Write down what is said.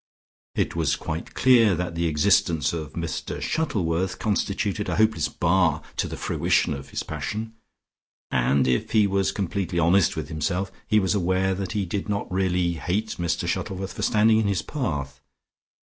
It was quite clear that the existence of Mr Shuttleworth constituted a hopeless bar to the fruition of his passion, and, if he was completely honest with himself, he was aware that he did not really hate Mr Shuttleworth for standing in his path.